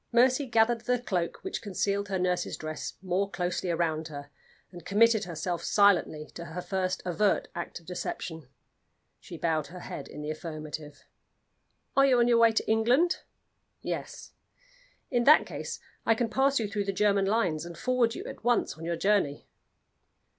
Mercy gathered the cloak which concealed her nurse's dress more closely round her, and committed herself silently to her first overt act of deception. She bowed her head in the affirmative. "Are you on your way to England?" "Yes." "In that case I can pass you through the German lines, and forward you at once on your journey."